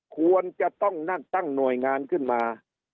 ควรจะต้องนั่งตั้งหน่วยงานขึ้นมา